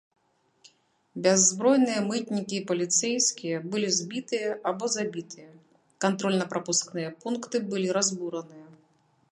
Бяззбройныя мытнікі і паліцэйскія былі збітыя або забітыя, кантрольна-прапускныя пункты былі разбураныя.